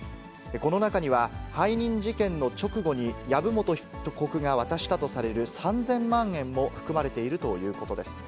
この中には背任事件の直後に、籔本被告が渡したとされる３０００万円も含まれているということです。